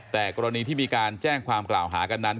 แต่กรณีที่มีการแจ้งความกล่าวหากันนั้น